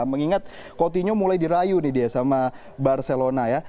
mengingat coutinho mulai dirayu nih dia sama barcelona ya